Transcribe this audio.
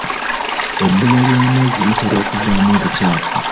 Ebbula ly'amazzi litera okuvaamu obukyafu.